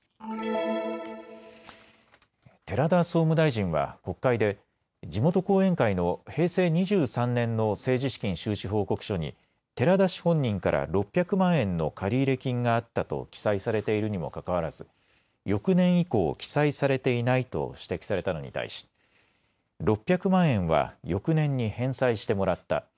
寺田総務大臣は国会で地元後援会の平成２３年の政治資金収支報告書に寺田氏本人から６００万円の借入金があったと記載されているにもかかわらず翌年以降を記載されていないと指摘されたのに対し、６００万円は翌年に返済してもらった。